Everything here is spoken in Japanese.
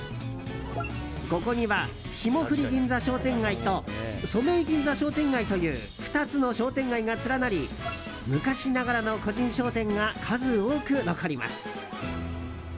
ここには霜降銀座商店街と染井銀座商店街という２つの商店街が連なり昔ながらの個人商店が数多く残ります。